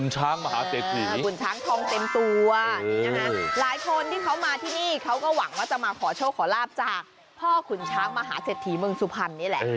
โชคขอลาบจากพ่อขุนช้างมหาเสถียร์เมืองสุภัณฑ์นี่แหละ